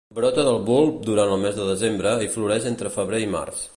Brota del bulb durant el mes de desembre i floreix entre febrer i març.